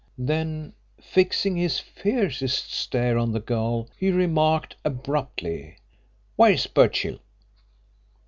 Then, fixing his fiercest stare on the girl, he remarked abruptly: "Where's Birchill?"